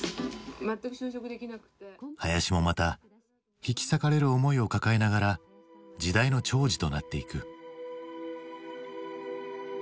林もまた引き裂かれる思いを抱えながら時代の寵児となっていく。